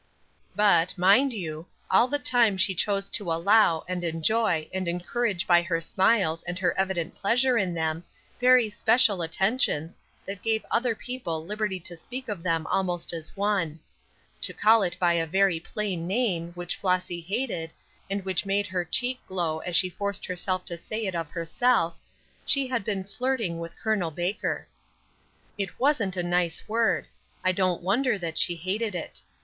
But, mind you, all the time she chose to allow, and enjoy, and encourage by her smiles and her evident pleasure in them, very special attentions, that gave other people liberty to speak of them almost as one. To call it by a very plain name, which Flossy hated, and which made her cheek glow as she forced herself to say it of herself, she had been flirting with Col. Baker. It isn't a nice word; I don't wonder that she hated it.